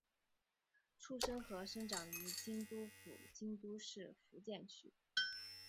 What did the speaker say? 出身和生长于京都府京都市伏见区。